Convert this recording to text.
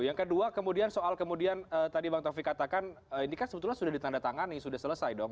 yang kedua kemudian soal kemudian tadi bang taufik katakan ini kan sebetulnya sudah ditandatangani sudah selesai dong